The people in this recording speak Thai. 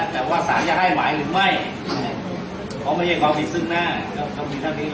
แต่ว่าสามหลักจะได้ให้หมายหรือไม่ผมไม่ใจผมติดหน้าต้องต้องมีภาพเบอร์